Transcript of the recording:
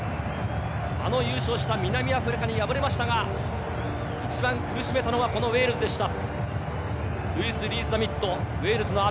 あの優勝した南アフリカに敗れましたが、一番苦しめたのは、このウェールズでした。